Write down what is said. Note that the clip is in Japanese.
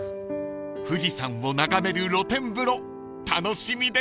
［富士山を眺める露天風呂楽しみです］